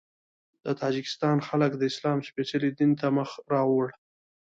د تاجکستان خلک د اسلام سپېڅلي دین ته مخ راوړ.